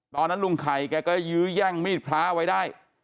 ตอนนั้นลุงไข่แกก็ยื้อแย่งมีดพระไว้ได้